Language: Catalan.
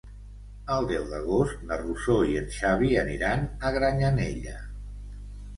El deu d'agost na Rosó i en Xavi aniran a Granyanella.